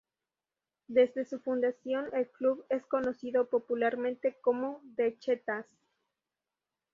Desde su fundación, el club es conocido popularmente como "The Cheetahs".